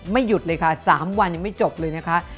ไม่หยุดเลยค่ะ๓วันไม่จบเลยนะคะ